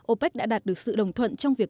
opec đã đạt được sự đồng thuận trong việc